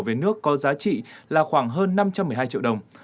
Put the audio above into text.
về nước có giá trị là khoảng hơn năm trăm một mươi hai triệu đồng